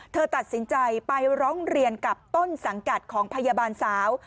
เธอตัดสินใจไปร้องเรียนกับต้นสังกัดของพยาบาลสาว